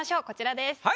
こちらです。